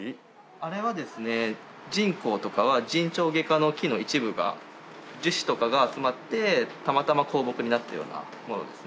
あれはですね沈香とかはジンチョウゲ科の木の一部が樹脂とかが集まってたまたま香木になったようなものですね。